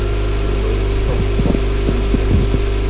Yuba yesṭebṭeb s ljehd.